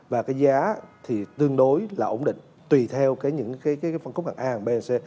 và giá tương đối ổn định tùy theo phân khúc a b c